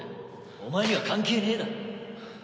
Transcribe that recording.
お前には関係ねえだろ。